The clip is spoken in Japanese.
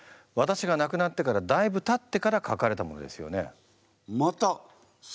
私が亡くなってからだいぶたってから書かれたものですよね？